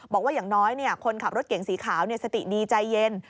บอกว่าอย่างน้อยคนขับรถเก่งสีขาวสติดีใจเย็น